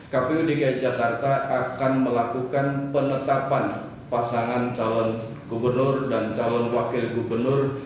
kpu dki jakarta akan melakukan penetapan pasangan calon gubernur dan calon wakil gubernur